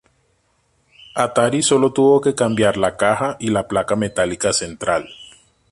Atari sólo tuvo que cambiar al caja y la placa metálica central